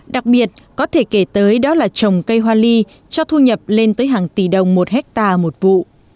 đặc biệt có thể kể tới đó là trồng cây hoa ly cho thu nhập lên tới hàng tỷ đồng một hectare một vụ